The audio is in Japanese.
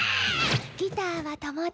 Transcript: ギターは友達。